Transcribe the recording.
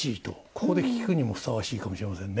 ここで聴くにもふさわしいかもしれませんね。